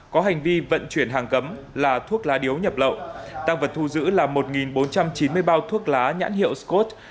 có hành vi vận chuyển hàng cấm là thuốc lá điếu nhập lậu tăng vật thu giữ là một bốn trăm chín mươi bao thuốc lá nhãn hiệu scot